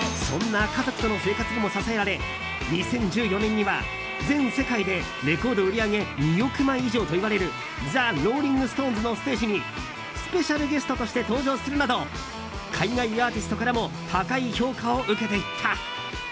そんな家族との生活にも支えられ２０１４年には全世界でレコード売り上げ２億枚以上といわれるザ・ローリング・ストーンズのステージにスペシャルゲストとして登場するなど海外アーティストからも高い評価を受けていった。